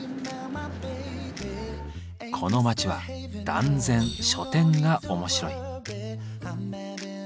この街は断然書店が面白い。